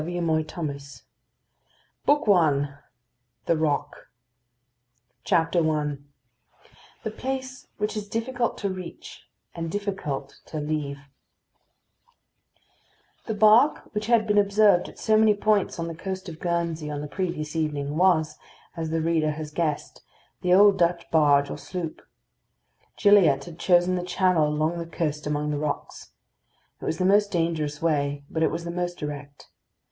MALICIOUS GILLIATT BOOK I THE ROCK I THE PLACE WHICH IS DIFFICULT TO REACH, AND DIFFICULT TO LEAVE The bark which had been observed at so many points on the coast of Guernsey on the previous evening was, as the reader has guessed, the old Dutch barge or sloop. Gilliatt had chosen the channel along the coast among the rocks. It was the most dangerous way, but it was the most direct.